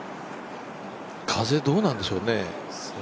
風、どうなんでしょうね。